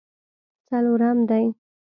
څلورم دی.